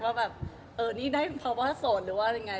ว่าแบบเออนี่ได้เพราะว่าโสดหรือว่าอะไรไง